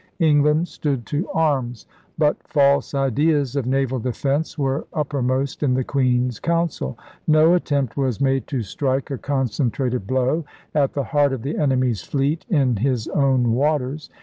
England stood to arms. But false ideas of naval defence were upper most in the Queen's Council. No attempt was made to strike a concentrated blow at the heart of the enemy's fleet in his own waters.